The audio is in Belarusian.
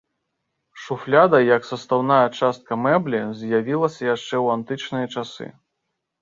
Шуфляда як састаўная частка мэблі з'явілася яшчэ ў антычныя часы.